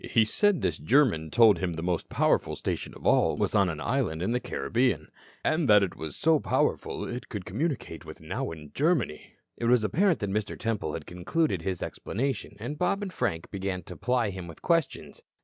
And he said this German told him the most powerful station of all was on an island in the Caribbean, and that it was so powerful it could communicate with Nauen, Germany." It was apparent that Mr. Temple had concluded his explanation, and Bob and Frank began to ply him with questions.